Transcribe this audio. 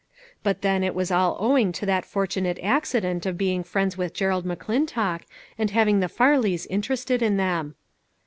But then it was all ow ing to that fortunate accident of being friends with Gerald McClintock, and having the Farleys interested in them.